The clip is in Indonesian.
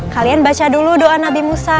kalian baca dulu doa nabi musa